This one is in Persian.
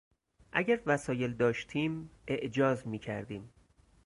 اگر وسایل داشتیم اعجاز میکردیم.